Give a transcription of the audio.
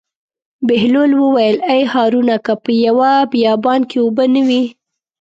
بهلول وویل: ای هارونه که په یوه بیابان کې اوبه نه وي.